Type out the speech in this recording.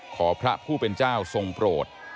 ขอพระผู้เป็นเจ้าทรงโปรด